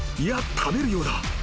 食べるようだ。